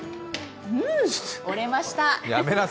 うん、折れました！